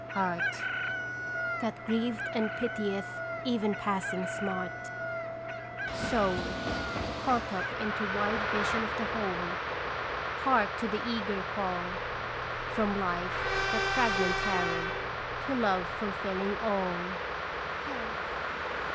Heart That grieved and pitieth even passing smart Soul Caught up into wide vision of the whole Hark to the eager call From life but fragmentary To love fulfilling all : Help!